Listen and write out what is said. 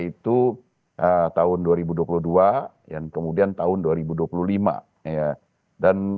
itu tahun dua ribu dua puluh dua kemudian tahun dua ribu dua puluh lima ya